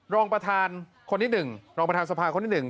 รองประธานสภาคนนี้หนึ่ง